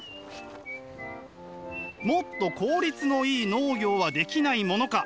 もっと効率のいい農業はできないものか。